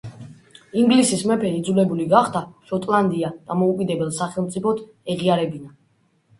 ინგლისის მეფე იძულებული გახდა შოტლანდია დამოუკიდებელ სახელმწიფოდ ეღიარებინა.